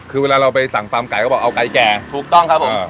คือเวลาเราไปสั่งฟาร์มไก่ก็บอกเอาไก่แก่ถูกต้องครับผม